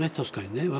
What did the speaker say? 確かにね。